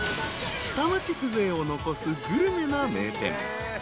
［下町風情を残すグルメな名店］